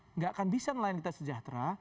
tidak akan bisa nelayan kita sejahtera